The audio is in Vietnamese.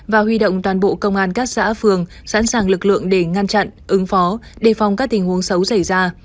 và huy động toàn bộ công an các xã phường sẵn sàng lực lượng để ngăn chặn ứng phó đề phòng các tình huống xấu xảy ra